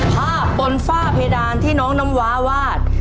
ภาพบนฝ้าเพดานที่น้องน้ำว้าวาด